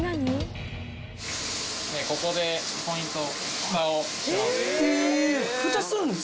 ここでポイント。